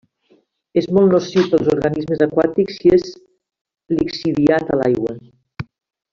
És molt nociu pels organismes aquàtics si és lixiviat a l'aigua.